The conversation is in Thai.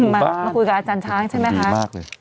มาคุยกับอาจารย์ช้างใช่ไหมคะมากเลย